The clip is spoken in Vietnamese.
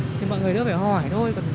thì mọi người đều phải hỏi thôi